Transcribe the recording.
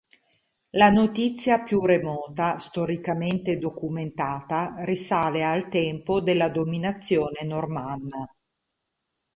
La notizia più remota storicamente documentata, risale a le tempo della dominazione normanna.